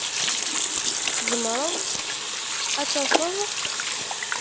Tzemreḍ ad taseḍ?